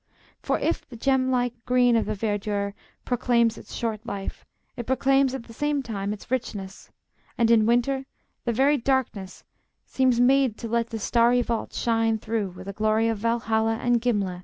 For if the gem like green of the verdure proclaims its short life, it proclaims at the same time its richness, and in winter the very darkness seems made to let the starry vault shine through with a glory of Valhalla and Gimle.